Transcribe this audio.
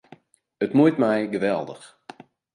It muoit my geweldich.